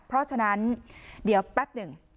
เพราะฉะนั้นเดี๋ยวแป๊บหนึ่ง